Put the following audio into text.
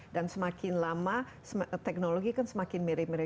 dan semakin lama teknologi kan semakin mirip mirip